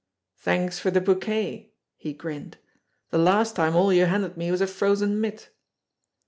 "Thanks for the bouquet!" he grinned. "The last time all you handed me was a frozen mitt."